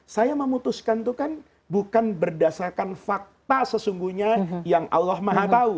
saya memutuskan itu kan bukan berdasarkan fakta sesungguhnya yang allah maha tahu